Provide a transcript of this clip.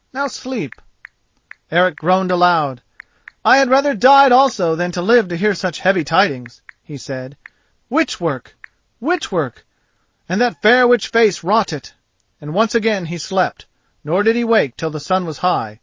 Now sleep!" Eric groaned aloud. "I had rather died also than live to hear such heavy tidings," he said. "Witch work! witch work! and that fair witch face wrought it." And once again he slept, nor did he wake till the sun was high.